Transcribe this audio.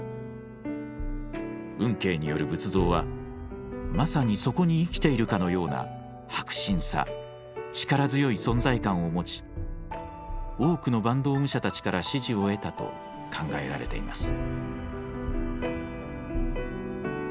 運慶による仏像はまさにそこに生きているかのような迫真さ力強い存在感を持ち多くの坂東武者たちから支持を得たと考えられています。